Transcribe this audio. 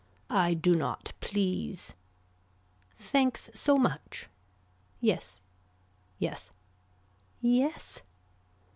I do not please. Thanks so much. Yes. Yes. Yes.